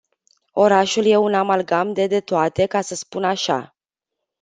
Orașul e un amalgam de detoate, ca să spun așa.